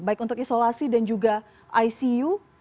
baik untuk isolasi dan juga icu